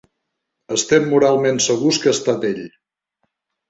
Estem moralment segurs que ha estat ell.